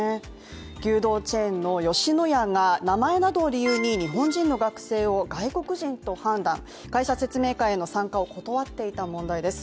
牛丼チェーンの吉野家が名前などを理由に日本人の学生を外国人と判断、会社説明会への参加を断っていた問題です。